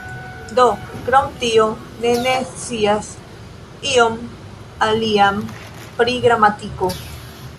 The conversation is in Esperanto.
Do, krom tio, ne ne scias ion alian pri gramatiko.